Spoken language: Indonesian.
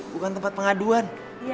bukan tempat pengaduan